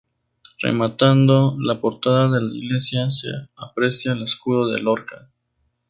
Rematando la portada de la iglesia se aprecia el escudo de Lorca.